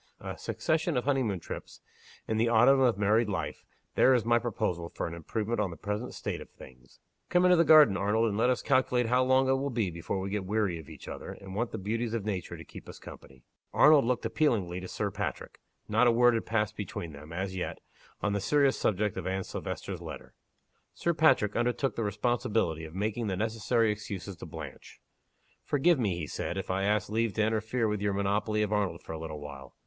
A succession of honey moon trips, in the autumn of married life there is my proposal for an improvement on the present state of things! Come into the garden, Arnold; and let us calculate how long it will be before we get weary of each other, and want the beauties of nature to keep us company." Arnold looked appealingly to Sir Patrick. Not a word had passed between them, as yet, on the serious subject of Anne Silvester's letter. Sir Patrick undertook the responsibility of making the necessary excuses to Blanche. "Forgive me," he said, "if I ask leave to interfere with your monopoly of Arnold for a little while.